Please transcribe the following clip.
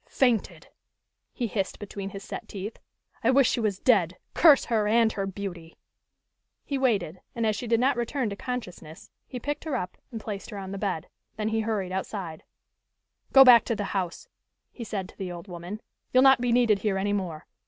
"Fainted!" he hissed between his set teeth. "I wish she was dead! Curse her and her beauty!" He waited, and as she did not return to consciousness, he picked her up, and placed her on the bed. Then he hurried outside: "Go back to the house," he said to the old woman. "You'll not be needed here any more.